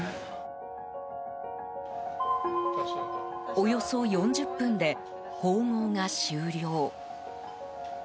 およそ４０分で縫合が終了。